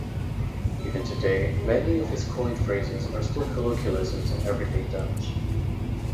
Even today many of his coined phrases are still colloquialisms in everyday Dutch.